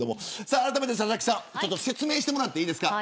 あらためて、佐々木さん説明してもらっていいですか。